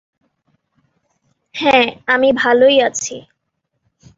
হ্যাঁ, আমি ভালোই আছি।